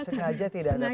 sengaja tidak ada progress